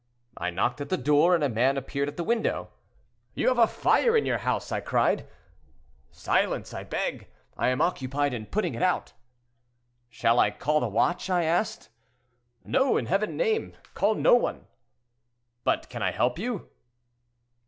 I knocked at the door, and a man appeared at the window. 'You have fire in your house!' I cried. 'Silence! I beg; I am occupied in putting it out.' 'Shall I call the watch?' I asked. 'No! in Heaven's name, call no one!' 'But can I help you?'